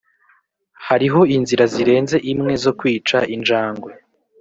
hariho inzira zirenze imwe zo kwica injangwe.